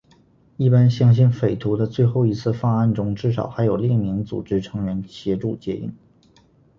一般相信匪徒的最后一次犯案中至少还有另一名组织成员协助接应。